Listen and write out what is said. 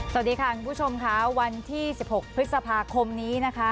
สวัสดีค่ะคุณผู้ชมค่ะวันที่๑๖พฤษภาคมนี้นะคะ